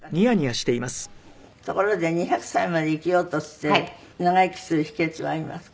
ところで２００歳まで生きようとしている長生きする秘訣はありますか？